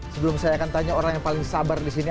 sebelum saya akan tanya orang yang paling sabar disini